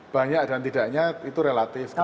banyak dan tidaknya itu relatif